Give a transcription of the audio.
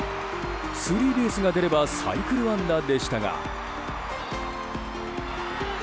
スリーベースが出ればサイクル安打でしたが。